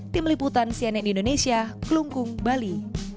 tim liputan sianet di indonesia kelungkung bali